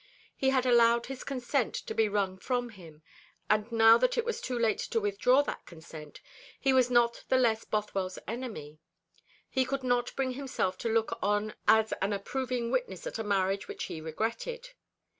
He had allowed his consent to be wrung from him; and now that it was too late to withdraw that consent he was not the less Bothwell's enemy. He could not bring himself to look on as an approving witness at a marriage which he regretted.